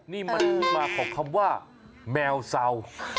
นี่มันมาของคำว่าแมวเศร้า